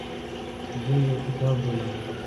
زه یو کتاب لولم.